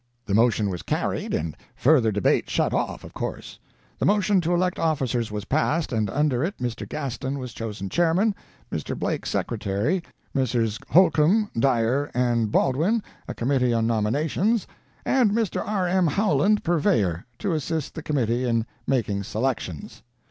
"The motion was carried, and further debate shut off, of course. The motion to elect officers was passed, and under it Mr. Gaston was chosen chairman, Mr. Blake, secretary, Messrs. Holcomb, Dyer, and Baldwin a committee on nominations, and Mr. R. M. Howland, purveyor, to assist the committee in making selections.